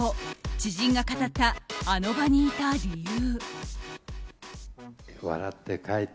知人が語った、あの場にいた理由。